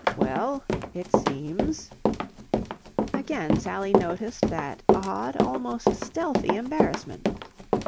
"Well, it seems..." Again Sally noticed that odd, almost stealthy embarrassment.